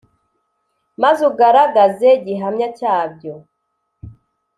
maze ugaragaze gihamya cyabyo